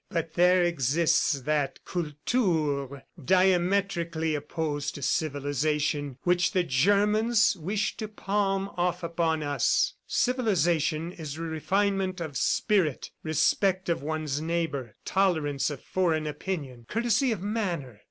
"But there exists that Kultur, diametrically opposed to civilization, which the Germans wish to palm off upon us. Civilization is refinement of spirit, respect of one's neighbor, tolerance of foreign opinion, courtesy of manner.